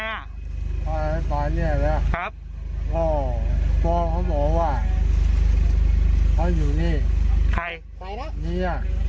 ภายในป่าเนี่ยเหรอครับลูกชายแจ้งตำรวจและกู้ภัย